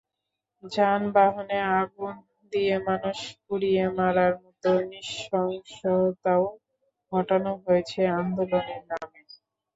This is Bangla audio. যানবাহনে আগুন দিয়ে মানুষ পুড়িয়ে মারার মতো নৃশংসতাও ঘটানো হয়েছে আন্দোলনের নামে।